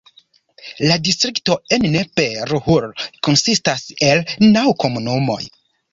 La distrikto Ennepe-Ruhr konsistas el naŭ komunumoj.